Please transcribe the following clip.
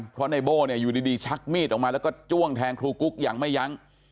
เพราะในโบ้เนี่ยอยู่ดีชักมีดออกมาแล้วก็จ้วงแทงครูกุ๊กอย่างไม่ยั้ง